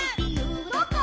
どこ？